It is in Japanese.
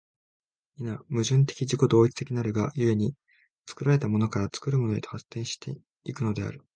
否、矛盾的自己同一的なるが故に、作られたものから作るものへと発展し行くのである。